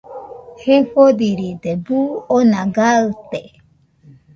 Jefodiride, buu oona gaɨte